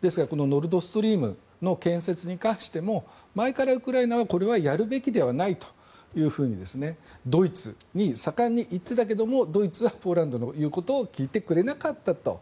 ですからノルド・ストリームの建設に関しても前からウクライナはこれはやるべきではないとドイツに盛んに言っていたけどドイツはポーランドの言うことは聞いてくれなかったと。